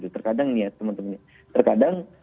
terkadang niat teman teman terkadang